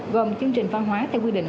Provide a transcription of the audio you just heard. gồm chương trình phan hóa theo quy định